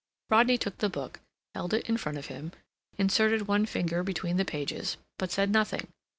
Rodney took the book, held it in front of him, inserted one finger between the pages, but said nothing.